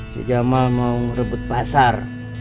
si jamal mau ngerebut pasar